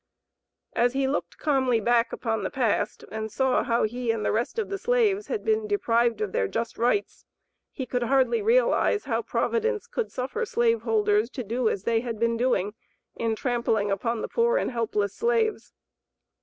As he looked calmly back upon the past, and saw how he and the rest of the slaves had been deprived of their just rights he could hardly realize how Providence could suffer slave holders to do as they had been doing in trampling upon the poor and helpless slaves.